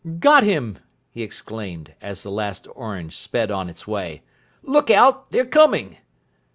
"Got him!" he exclaimed, as the last orange sped on its way. "Look out, they're coming!"